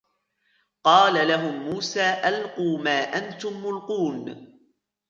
قَالَ لَهُمْ مُوسَى أَلْقُوا مَا أَنْتُمْ مُلْقُونَ